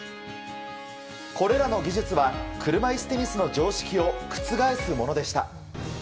これらの技術は車いすテニスの常識を覆すものでした。